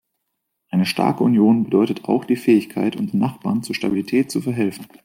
Eine starke Union bedeutet auch die Fähigkeit, unseren Nachbarn zu Stabilität zu verhelfen.